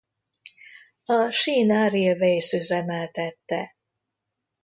A China Railways üzemeltette.